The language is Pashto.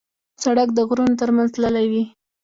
سړک د غرونو تر منځ تللی وي.